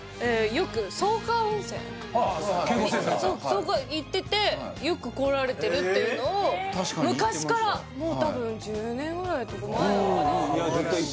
そこ行っててよく来られてるっていうのを昔からもうたぶん１０年ぐらいとか前なのかな